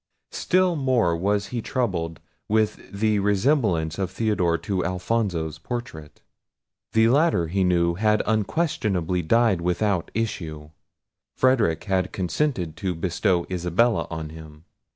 Still more was he troubled with the resemblance of Theodore to Alfonso's portrait. The latter he knew had unquestionably died without issue. Frederic had consented to bestow Isabella on him.